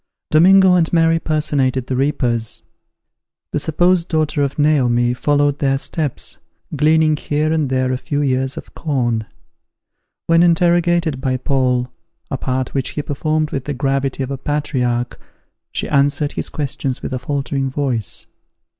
Domingo and Mary personated the reapers. The supposed daughter of Naomi followed their steps, gleaning here and there a few ears of corn. When interrogated by Paul, a part which he performed with the gravity of a patriarch, she answered his questions with a faltering voice.